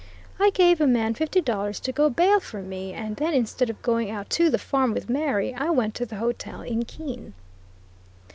I gave a man fifty dollars to go bail for me, and then, instead of going out to the farm with Mary, I went to the hotel in Keene.